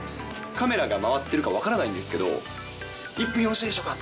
カメラが回ってるか分からないんですけど、１分よろしいでしょうか？